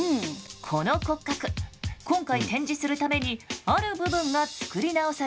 この骨格今回展示するためにある部分が作り直されました。